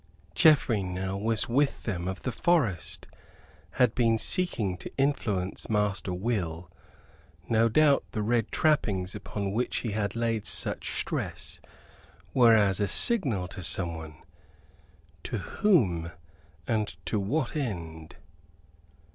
Geoffrey now was with them of the forest; had been seeking to influence Master Will; no doubt the red trappings upon which he had laid such stress were as a signal to someone. To whom? And to what end?